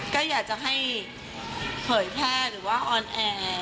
ก็อยากจะให้เผยแพร่หรือว่าออนแอร์